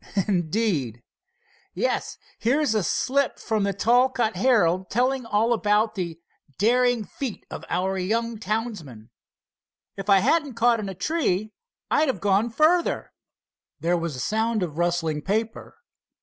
"Indeed?" "Yes. Here, there's a slip from the Talcott Herald, telling all about 'the daring feat of our young townsman.' If I hadn't caught in a tree I'd have gone further." There was a sound of rustling paper.